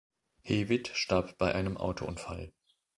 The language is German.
Hewitt starb bei einem Autounfall.